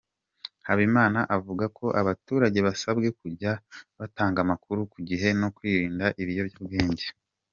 Habimana avuga ko abaturage basabwe kujya batanga amakuru ku gihe no kwirinda ibiyobyabwenge.